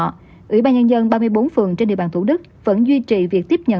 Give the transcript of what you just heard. địa điểm bốn ủy ban nhân dân ba mươi bốn phường trên địa bàn thủ đức vẫn duy trì việc tiếp nhận